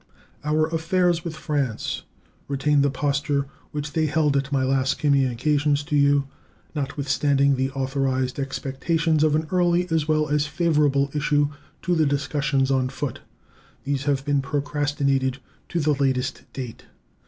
Our affairs with France retain the posture which they held at my last communications to you. Notwithstanding the authorized expectations of an early as well as favorable issue to the discussions on foot, these have been procrastinated to the latest date.